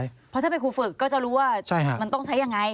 เพราะถ้าเป็นครูฝึกก็จะรู้ว่ามันต้องใช้ยังไง